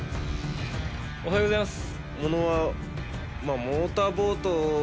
おはようございます。